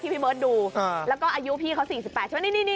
๕๐ที่พี่เบิร์ดดูแล้วก็อายุพี่เค้า๔๘ใช่ปะ